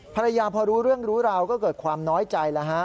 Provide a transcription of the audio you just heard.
ภรรยาพอรู้เรื่องรู้ราวก็เกิดความน้อยใจแล้วฮะ